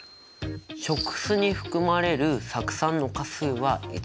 食酢に含まれる酢酸の価数は１。